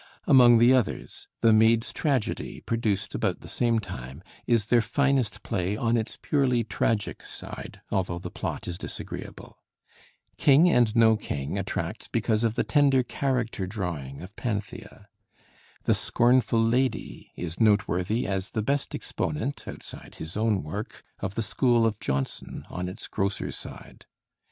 Among the others, 'The Maid's Tragedy,' produced about the same time, is their finest play on its purely tragic side, although the plot is disagreeable. 'King and No King' attracts because of the tender character drawing of Panthea. 'The Scornful Lady' is noteworthy as the best exponent, outside his own work, of the school of Jonson on its grosser side.